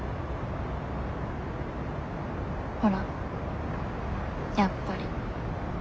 ほらやっぱり。